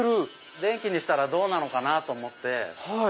電気にしたらどうなのかなと思って。